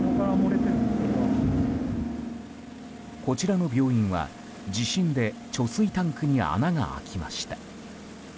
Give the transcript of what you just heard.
こちらの病院は地震で貯水タンクに穴が開きました。